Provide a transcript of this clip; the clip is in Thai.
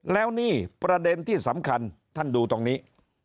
แล้วนี่ประเด็นที่สำคัญท่านดูตรงนี้